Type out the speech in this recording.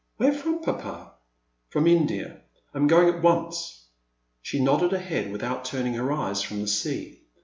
Where fi"om. Papa ?" From India. I 'm going at once." She nodded her head, without turning her eyes from the sea.